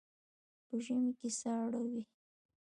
په ژمي کې ساړه وي.